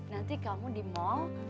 nanti kamu di mall